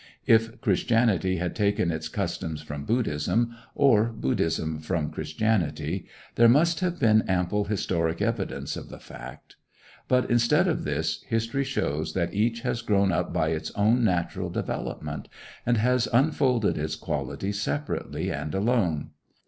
If Christianity had taken its customs from Buddhism, or Buddhism from Christianity, there must have been ample historic evidence of the fact. But, instead of this, history shows that each has grown up by its own natural development, and has unfolded its qualities separately and alone.